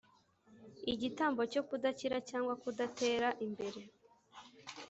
Igitambo cyo kudakira cyangwa kudatera imbere